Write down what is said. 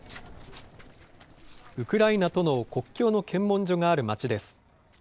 ウクライナとの国境の検問所がある町です。